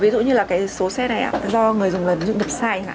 thì hệ thống sẽ hiển thị màu xanh